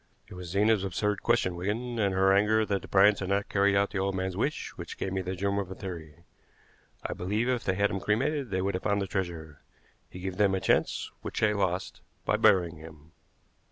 It was Zena's absurd question, Wigan, and her anger that the Bryants had not carried out the old man's wish, which gave me the germ of a theory. I believe if they had had him cremated they would have found the treasure. He gave them a chance which they lost by burying him."